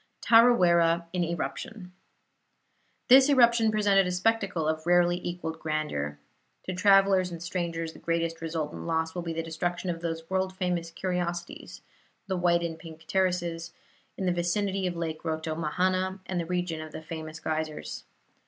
TARAWERA IN ERUPTION This eruption presented a spectacle of rarely equalled grandeur. To travelers and strangers the greatest resultant loss will be the destruction of those world famous curiosities, the white and pink terraces, in the vicinity of Lake Rotomahana and the region of the famous geysers.